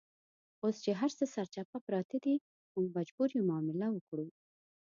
اوس چې هرڅه سرچپه پراته دي، موږ مجبور یو معامله وکړو.